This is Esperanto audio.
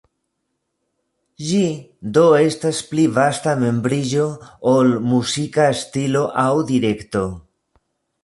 Ĝi do estas pli vasta membriĝo ol muzika stilo aŭ direkto.